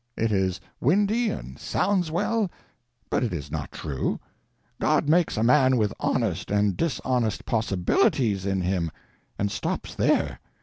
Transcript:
It is windy, and sounds well, but it is not true. God makes a man with honest and dishonest _possibilities _in him and stops there.